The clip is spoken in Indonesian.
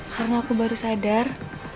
karena aku baru sadar